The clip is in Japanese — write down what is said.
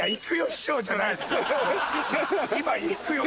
今いくよ・